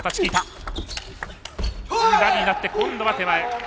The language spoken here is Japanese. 今度は手前。